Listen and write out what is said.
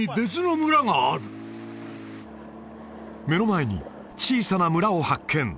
目の前に小さな村を発見！